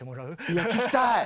いや聴きたい！